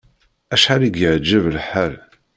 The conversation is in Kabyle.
Acḥal i y-iεǧeb lḥal!